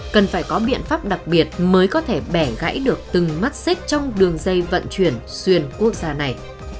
cần phải có biện pháp đặc biệt mới có thể bẻ gãy được từng mắt xích trong đường dây vận chuyển xuyên quốc gia này